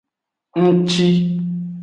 Ngci.